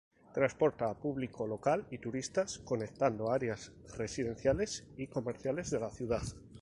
Transporta a público local y turistas, conectando áreas residenciales y comerciales de la ciudad.